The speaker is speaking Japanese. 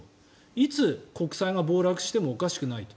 いつ国債が暴落してもおかしくないと。